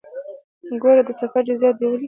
ګوره د سفر جزئیات دې ولیکې.